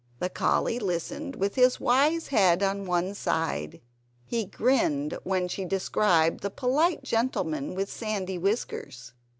The collie listened, with his wise head on one side; he grinned when she described the polite gentleman with sandy whiskers.